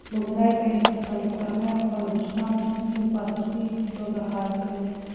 لومړی باید د خپلې کورنۍ او خپلو دوستانو ستونزې په اساسي توګه حل کړې.